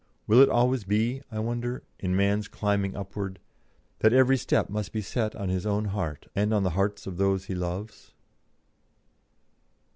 Will it always be, I wonder, in man's climbing upward, that every step must be set on his own heart and on the hearts of those he loves?